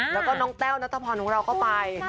แล้วก็น้องแต้วนัทพรของเราก็ไป